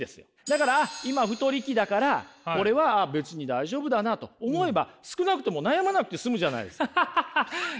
だから今太り期だから俺は別に大丈夫だなと思えば少なくとも悩まなくて済むじゃないですか。